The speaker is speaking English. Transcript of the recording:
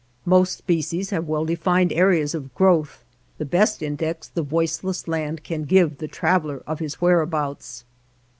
Most species have well defined areas of growth, the best index the voiceless land can give the traveler of his whereabouts.